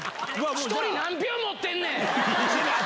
１人何票持ってんねん。